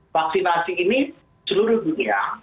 vaksinasi ini seluruh dunia